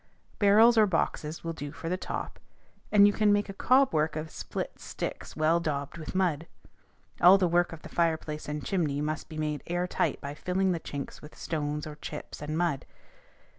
Barrels or boxes will do for the top, or you can make a cob work of split sticks well daubed with mud. All the work of the fireplace and chimney must be made air tight by filling the chinks with stones or chips and mud.